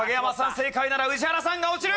正解なら宇治原さんが落ちる。